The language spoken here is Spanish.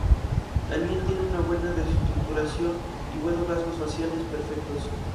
Daniel tiene una buena estructuración y buenos rasgos faciales perfectos.